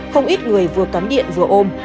không ít người vừa cắm điện vừa ôm